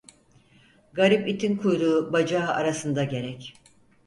Garip itin kuyruğu bacağı arasında gerek.